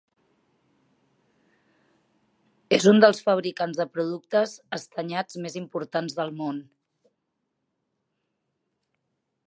És un dels fabricants de productes estanyats més importants del món.